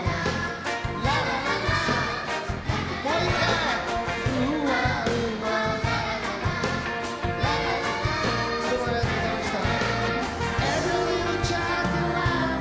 もう一回！どうもありがとうございました。